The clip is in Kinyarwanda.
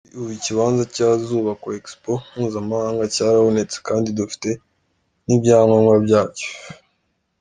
Yagize ati “Ubu ikibanza cy’ahazubakwa Expo Mpuzamahanga cyarabonetse kandi dufite n’ibyangombwa byacyo.